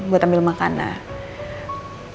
buat ambil makanan